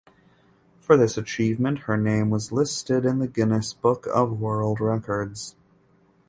For this achievement her name was listed in the "Guinness Book of World Records".